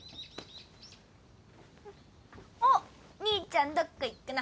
おっ兄ちゃんどっこ行っくの？